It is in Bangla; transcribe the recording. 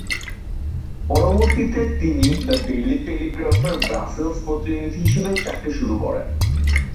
পরবর্তীতে তিনি "দ্য ডেইলি টেলিগ্রাফের" ব্রাসেলস প্রতিনিধি হিসেবে চাকরি শুরু করেন।